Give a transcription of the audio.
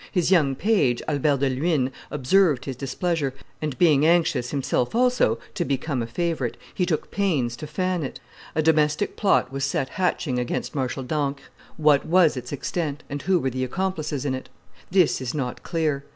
His young page, Albert de Luynes, observed his displeasure, and being anxious, himself also, to become a favorite, he took pains to fan it. [Illustration: Louis XIII. and Albert de Luynes 154] A domestic plot was set hatching against Marshal d'Ancre. What was its extent and who were the accomplices in it? This is not clear.